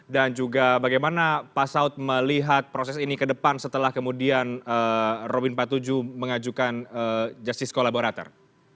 dan juga bagaimana pak saud melihat proses ini ke depan setelah kemudian robin empat puluh tujuh mengajukan justice collaborator